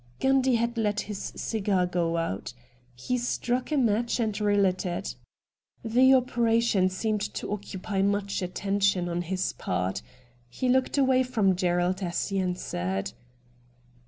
Gundv had let his cifjar cro out. He struck a match and relit it. The operation seemed to occupy much attention on his part. He looked away from Gerald as he answered.